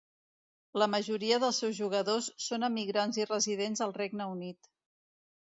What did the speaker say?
La majoria dels seus jugadors són emigrants i residents al Regne Unit.